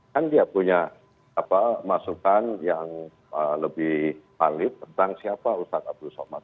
kan dia punya masukan yang lebih valid tentang siapa ustadz abdul somad